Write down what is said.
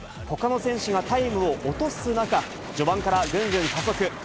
ほかの選手がタイムを落とす中、序盤からぐんぐん加速。